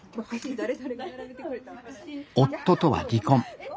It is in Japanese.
夫とは離婚。